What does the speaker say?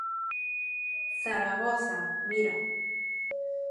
Zaragoza: Mira.